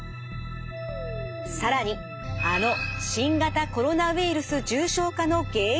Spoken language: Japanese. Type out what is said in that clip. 更にあの新型コロナウイルス重症化の原因にも。